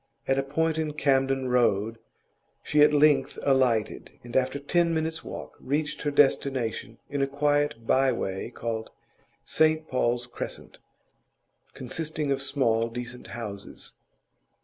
At a point in Camden Road she at length alighted, and after ten minutes' walk reached her destination in a quiet by way called St Paul's Crescent, consisting of small, decent houses.